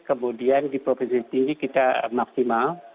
kemudian di provinsi tinggi kita maksimal